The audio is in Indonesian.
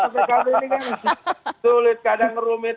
pkb ini kan sulit kadang rumit